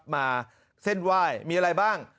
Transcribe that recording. มาเส้นไหว้มีอะไรบ้าง